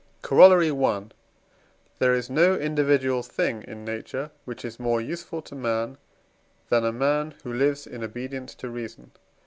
Corollary I. There is no individual thing in nature, which is more useful to man, than a man who lives in obedience to reason.